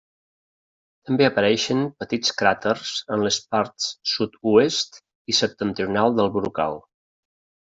També apareixen petits cràters en les parts sud-oest i septentrional del brocal.